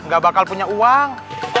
gak bakal punya uang